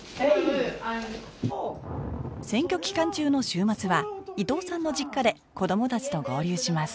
選挙期間中の週末は伊藤さんの実家で子どもたちと合流します